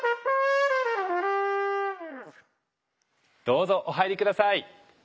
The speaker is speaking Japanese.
どうぞお入り下さい。